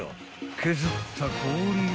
［削った氷を］